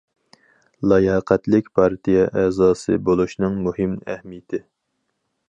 لاياقەتلىك پارتىيە ئەزاسى بولۇشنىڭ مۇھىم ئەھمىيىتى.